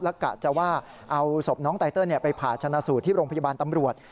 และกะจะว่าเอาศพน้องไตเติลไปผ่าชนะสูตรที่โรงพยาบาลตำรวจ